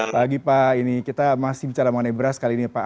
pagi pak kita masih bicara mengenai beras kali ini pak